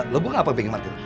lo buat apa pengen martil